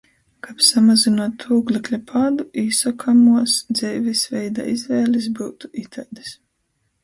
Kab samazynuotu ūglekļa pādu, īsokamuos dzeivis veida izvēlis byutu itaidys.